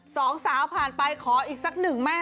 สองสาวผ่านไปขออีกสักหนึ่งแม่